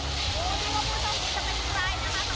พี่ชนิดชะมัดที่ใกล้นะคะ